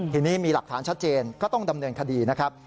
ทีนี้มีหลักฐานชัดเจนก็ต้องดำเนินคดีนะครับ